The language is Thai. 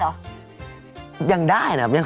จริงสองอย่างนาฬิกากับน้ำหอม